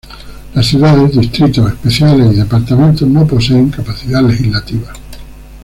Las ciudades, distritos especiales y departamentos no poseen capacidad legislativa.